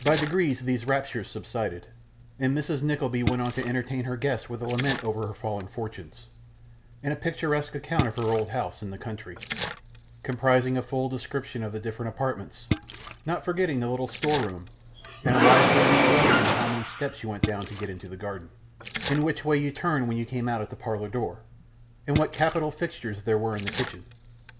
By degrees these raptures subsided, and Mrs. Nickleby went on to entertain her guests with a lament over her fallen fortunes, and a picturesque account of her old house in the country: comprising a full description of the different apartments, not forgetting the little store room, and a lively recollection of how many steps you went down to get into the garden, and which way you turned when you came out at the parlour door, and what capital fixtures there were in the kitchen.